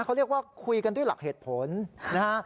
เขาเรียกว่าคุยกันด้วยหลักเหตุผลนะฮะ